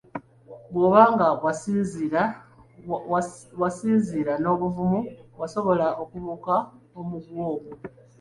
Bwoba nga wasinziira n'obuvumu wasobola okubuuka omuguwa ogwo.